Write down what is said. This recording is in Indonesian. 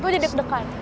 gue jadi deg degan